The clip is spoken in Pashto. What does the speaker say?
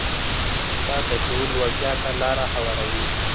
استاد د شعور لوړتیا ته لاره هواروي.